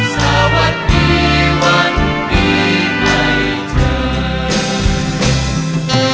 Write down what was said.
สวรรค์ปีวันนี้ให้เธอ